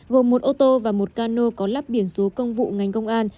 gồm một ô tô và một cano có lắp biển số công vụ ngành công an